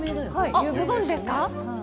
ご存じですか。